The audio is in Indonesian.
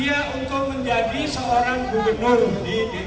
aku tahu ada satu orang yang exhale